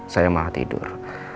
saya malah tidur